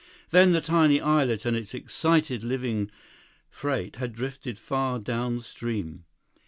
Then the tiny islet and its excited living freight had drifted far downstream.